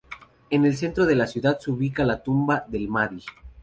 En el centro de la ciudad se ubica la tumba del Mahdi